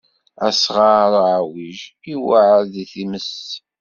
Asɣaṛ uɛwij iweɛɛed i tmes.